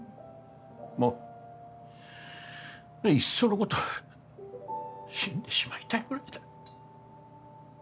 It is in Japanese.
もういっそのこと死んでしまいたいぐらいだ